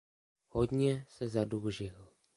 Hodně se zadlužil.